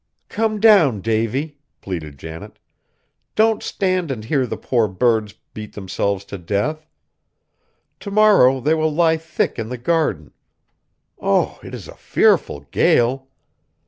"Come down, Davy," pleaded Janet, "don't stand and hear the poor birds beat themselves to death. To morrow they will lie thick in the garden. Oh! it is a fearful gale!